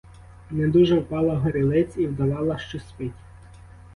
Недужа впала горілиць і вдавала, що спить.